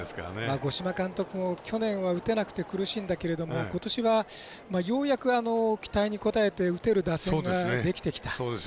五島監督も去年は打てなくて苦しんだけどことしは期待に応えて打てる打線ができてきた。